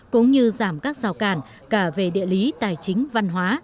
cũng như giảm các rào cản cả về địa lý tài chính văn hóa